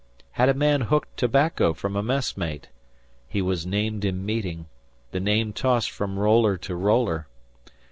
Had a man hooked tobacco from a mess mate? He was named in meeting; the name tossed from roller to roller.